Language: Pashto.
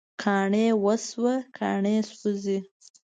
کاڼي وسوه، کاڼي سوزی